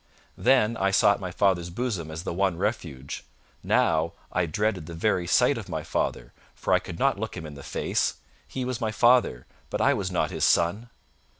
Then I sought my father's bosom as the one refuge; now I dreaded the very sight of my father, for I could not look him in the face. He was my father, but I was not his son.